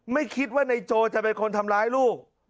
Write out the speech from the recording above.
ไม่คิดว่านายโจจะเป็นคนทำร้ายลูก